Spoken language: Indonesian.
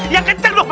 yang kenceng dong